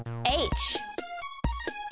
Ｈ！